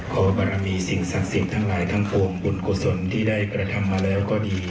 ขอบารมีสิ่งศักดิ์สิทธิ์ทั้งหลายทั้งปวงบุญกุศลที่ได้กระทำมาแล้วก็ดี